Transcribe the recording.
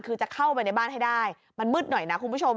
คือจะเข้าไปในบ้านให้ได้มันมืดหน่อยนะคุณผู้ชม